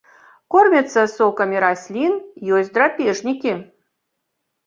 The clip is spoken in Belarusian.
Кормяцца сокамі раслін, ёсць драпежнікі.